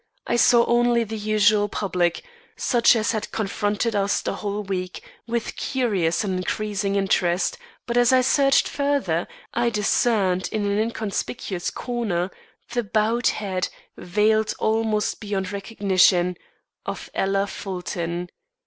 I saw only the usual public, such as had confronted us the whole week, with curious and increasing interest. But as I searched further, I discerned in an inconspicuous corner, the bowed head, veiled almost beyond recognition, of Ella Fulton.